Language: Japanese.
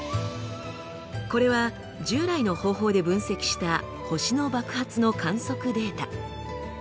これは従来の方法で分析した星の爆発の観測データ。